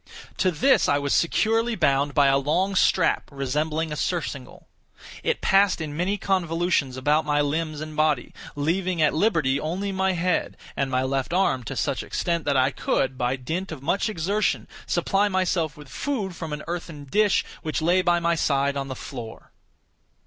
To this I was securely bound by a long strap resembling a surcingle. It passed in many convolutions about my limbs and body, leaving at liberty only my head, and my left arm to such extent that I could, by dint of much exertion, supply myself with food from an earthen dish which lay by my side on the floor.